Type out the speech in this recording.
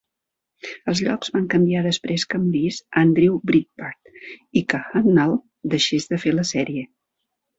Els llocs van canviar després que morís Andrew Breitbart i que Hudnall deixés de fer la sèrie.